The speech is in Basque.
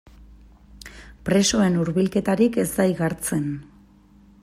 Presoen hurbilketarik ez da igartzen.